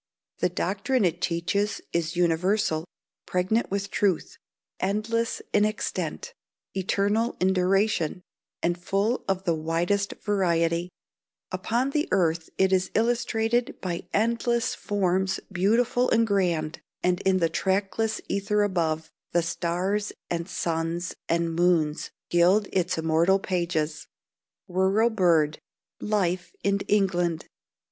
The doctrine it teaches is universal, pregnant with truth, endless in extent, eternal in duration, and full of the widest variety: Upon the earth it is illustrated by endless forms beautiful and grand, and in the trackless ether above, the stars and suns and moons gild its immortal pages. _Rural Bird Life in England.